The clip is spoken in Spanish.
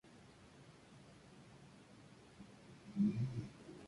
This Endless War